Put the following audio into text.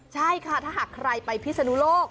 ใช่ค่ะถ้าหากใครไปพิษฐานวยุธ